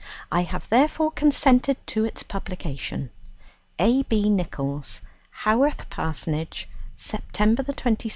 I have therefore consented to its publication. A. B. NICHOLLS Haworth Parsonage, September 22nd, 1856.